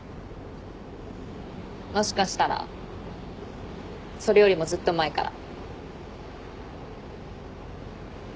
もしかしたらそれよりもずっと前から。